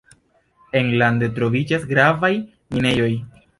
Enlande troviĝas gravaj minejoj.